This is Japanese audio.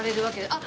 あっ！